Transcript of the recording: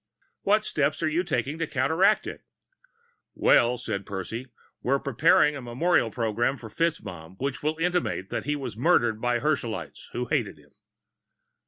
"What steps are you taking to counteract it?" Walton asked. "Well," said Percy, "we're preparing a memorial program for FitzMaugham which will intimate that he was murdered by the Herschelites, who hated him."